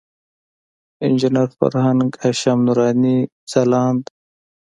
انجینر فرهنګ، هاشم نوراني، ځلاند.